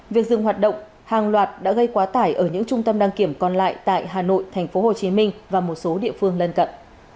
việc dừng hoạt động hàng loạt đã gây quá tải ở những trung tâm đăng kiểm còn lại tại hà nội tp hcm và một số địa phương lân cận